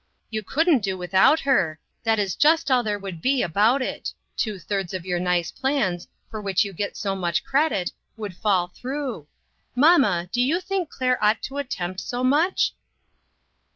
"You couldn't do with out her! that is just all there would be about it! Two thirds of your nice plans, for which you get so much credit, would fall through. Mamma, do you think Claire ought to attempt so much